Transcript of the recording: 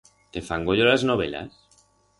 Te fan goyo las novelas?